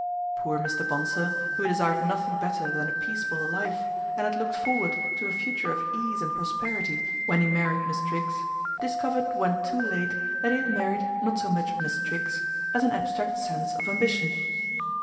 Poor Mr. Bonsor, who desired nothing better than a peaceable life and had looked forward to a future of ease and prosperity when he married Miss Triggs, dis covered when too late that he had married not so much Miss Triggs, as an abstract sense of ambition.